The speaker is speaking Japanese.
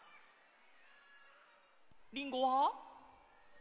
「りんご」は。